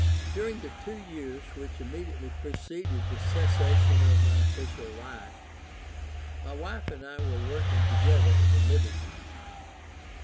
During the two years which immediately preceded the cessation of my official life, my wife and I were working together at the "Liberty."